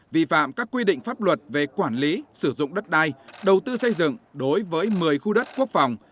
vi phạm các quy định pháp luật về quản lý sử dụng đất đai đầu tư xây dựng đối với một mươi khu đất quốc phòng